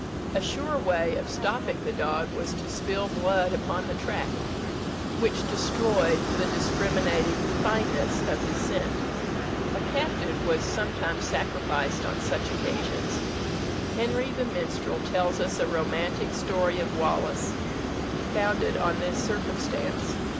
A sure way of stopping the dog was to spill blood upon the track, which destroyed the discriminating fineness of his scent. A captive was sometimes sacrificed on such occasions. Henry the Minstrel tells us a romantic story of Wallace, founded on this circumstance.